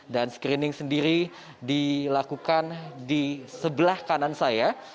dan screening sendiri dilakukan di sebelah kanan saya